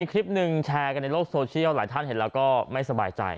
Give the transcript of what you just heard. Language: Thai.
คลิปหนึ่งแชร์กันในโลกโซเชียลหลายท่านเห็นแล้วก็ไม่สบายใจ